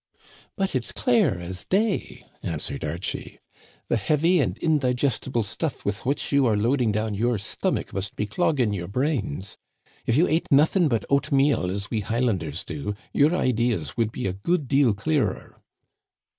"But it's clear as day," answered Archie. "The heavy and indigestible stuff with which you are loading down your stomach must be clogging your brains. If you ate nothing but oatmeal, as we Highlanders do, your ideas would be a good deal clearer."